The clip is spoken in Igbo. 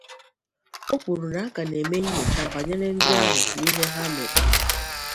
O kwuru na a ka na-eme nnyocha banyere ndị ahụ na ihe ha mere